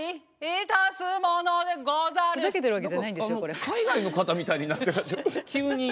何か海外の方みたいになってらっしゃる急に。